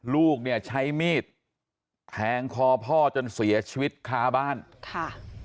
ลูกเนี่ยใช้มีดแทงคอพ่อจนเสียชีวิตค้าบ้านค่ะ